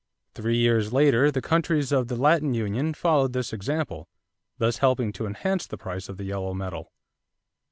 Three years later, the countries of the Latin Union followed this example, thus helping to enhance the price of the yellow metal.